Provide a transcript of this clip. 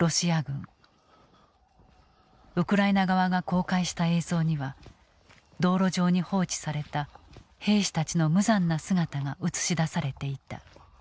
ウクライナ側が公開した映像には道路上に放置された兵士たちの無残な姿が映し出されていた。